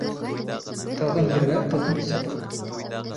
Тығын ергә тығынсыҡ.